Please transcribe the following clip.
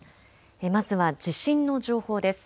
まずは地震の情報です。